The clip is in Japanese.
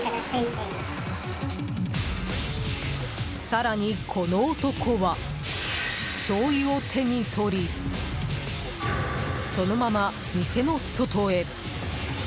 更に、この男はしょうゆを手に取りそのまま店の外へ。